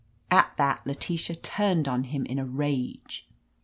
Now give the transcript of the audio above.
At that Letitia turned on him in a rage.